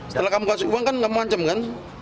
setelah kamu kasih uang kan kamu ancam kan